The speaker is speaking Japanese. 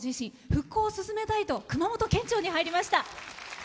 復興を進めたいと熊本県庁に入りました。